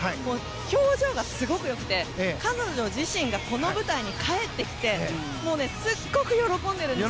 表情がすごく良くて彼女自身がこの舞台に帰ってきてすごく喜んでるんです。